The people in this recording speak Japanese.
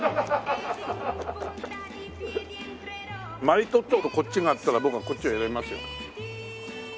マリトッツォとこっちがあったら僕はこっちを選びますよ。